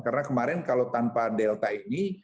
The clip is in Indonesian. karena kemarin kalau tanpa delta ini